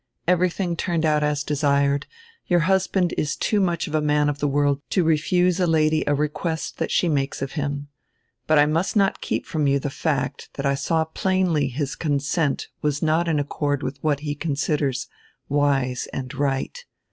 Everything turned out as desired. Your husband is too much a man of the world to refuse a Lady a request that she makes of him. But I must not keep from you die fact diat I saw plainly his consent was not in accord widi what he considers wise and right.